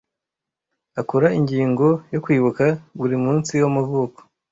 Akora ingingo yo kwibuka buri munsi wamavuko.